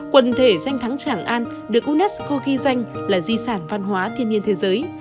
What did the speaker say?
quần thể danh thắng tràng an được unesco ghi danh là di sản văn hóa thiên nhiên thế giới